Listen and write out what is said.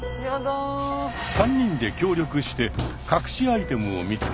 ３人で協力して隠しアイテムを見つけ